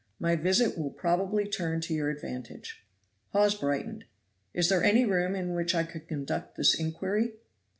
My visit will probably turn to your advantage." Hawes brightened. "Is there any room in which I could conduct this inquiry?"